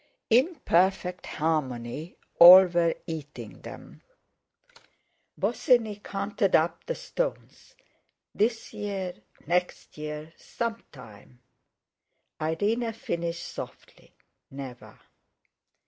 In perfect harmony all were eating them. Bosinney counted up the stones: "This year—next year—some time." Irene finished softly: "Never!